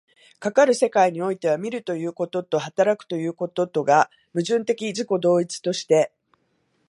かかる世界においては、見るということと働くということとが矛盾的自己同一として、